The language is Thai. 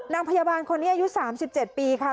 นางพยาบาลคนนี้อายุ๓๗ปีค่ะ